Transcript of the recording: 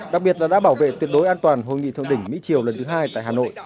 đặc biệt là đã bảo vệ tuyệt đối an toàn hội nghị thượng đỉnh mỹ triều lần thứ hai tại hà nội